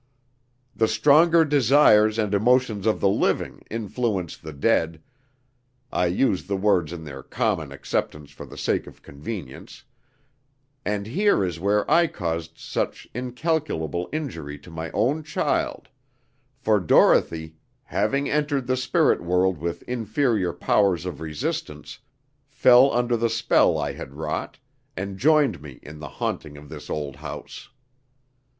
The stronger desires and emotions of the living influence the dead I use the words in their common acceptation for the sake of convenience and here is where I caused such incalculable injury to my own child; for Dorothy, having entered the spirit world with inferior powers of resistance, fell under the spell I had wrought, and joined me in the haunting of this old house.